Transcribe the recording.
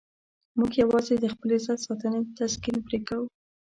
موږ یوازې د خپل عزت ساتنې تسکین پرې کوو.